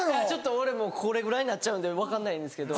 俺これぐらいになっちゃうんで分かんないんですけど。